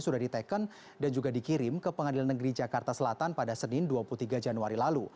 sudah diteken dan juga dikirim ke pengadilan negeri jakarta selatan pada senin dua puluh tiga januari lalu